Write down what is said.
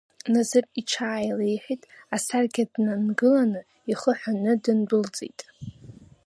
Назыр иҽааилеиҳәеит, асаркьа днангыланы, ихы ҳәаны дындәылҵит.